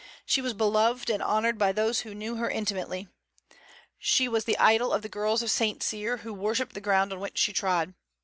She was beloved and honored by those who knew her intimately. She was the idol of the girls of St. Cyr, who worshipped the ground on which she trod.